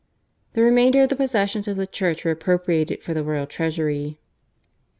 The remainder of the possessions of the Church were appropriated for the royal treasury.